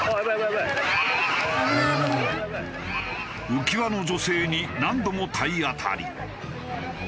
浮き輪の女性に何度も体当たり。